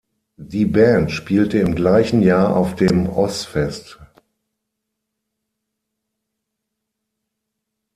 Die Band spielte im gleichen Jahr auf dem Ozzfest.